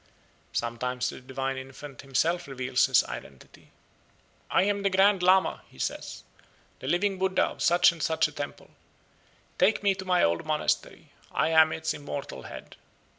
Sometimes the divine infant himself reveals his identity. "I am the Grand Lama," he says, "the living Buddha of such and such a temple. Take me to my old monastery. I am its immortal head."